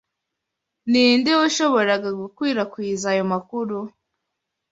Ninde washoboraga gukwirakwiza ayo makuru?